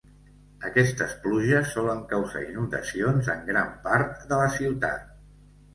Aquestes pluges solen causar inundacions en gran part de la ciutat.